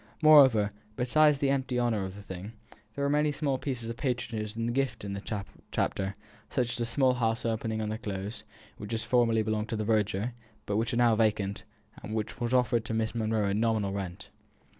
Moreover, besides the empty honour of the thing, there were many small pieces of patronage in the gift of the Chapter such as a small house opening on to the Close, which had formerly belonged to the verger, but which was now vacant, and was offered to Miss Monro at a nominal rent.